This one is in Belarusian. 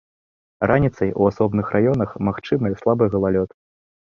Раніцай у асобных раёнах магчымы слабы галалёд.